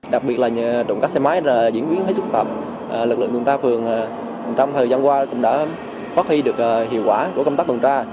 đặc biệt là trộm cắp xe máy diễn biến hết sức tập lực lượng tuần tra phường trong thời gian qua cũng đã phát huy được hiệu quả của công tác tuần tra